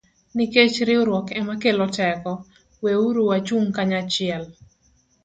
Nikech riwruok ema kelo teko, weuru wachung ' kanyachiel